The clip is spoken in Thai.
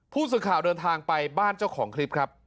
ผู้สื่อข่าวเดินทางไปบ้านเจ้าของคลิปครับ